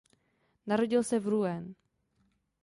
Narodil se v Rouen.